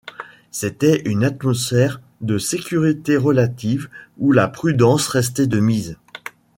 C’était une atmosphère de sécurité relative où la prudence restait de mise.